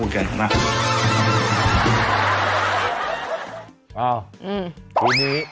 คลิปนี้